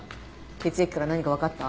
血液から何かわかった？